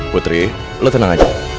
putri lo tenang aja